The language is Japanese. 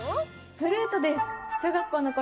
フルートです。